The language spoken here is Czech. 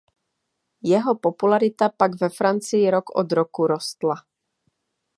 Jeho popularita pak ve Francii rok od roku rostla.